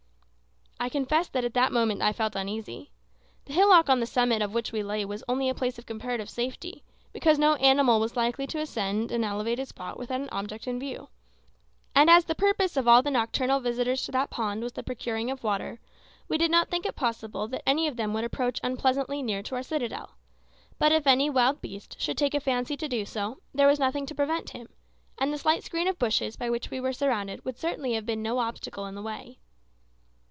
I confess that at that moment I felt uneasy. The hillock on the summit of which we lay was only a place of comparative safety, because no animal was likely to ascend an elevated spot without an object in view, and as the purpose of all the nocturnal visitors to that pond was the procuring of water, we did not think it probable that any of them would approach unpleasantly near to our citadel; but if any wild beast should take a fancy to do so, there was nothing to prevent him, and the slight screen of bushes by which we were surrounded would certainly have been no obstacle in the way.